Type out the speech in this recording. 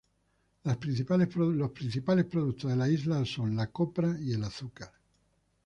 Los principales productos de la isla son la copra y el azúcar.